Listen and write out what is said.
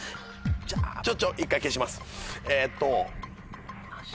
ちょっと１回消しますえっと。